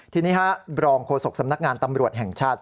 ทีนี้บรองโฆษกสำนักงานตำรวจแห่งชาติ